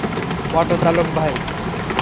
Auto চালক ভাই!